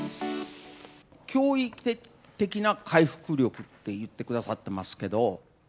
驚異的な回復力って言ってくださってますけど。